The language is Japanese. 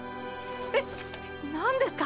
え何ですか？